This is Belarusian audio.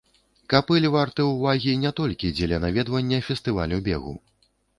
Капыль варты ўвагі не толькі дзеля наведвання фестывалю бегу.